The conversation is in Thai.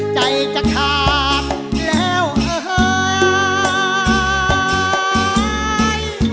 ใจจะขาดแล้วเอ่ย